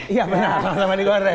iya benar sama sama digoreng